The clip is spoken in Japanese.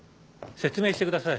説明してください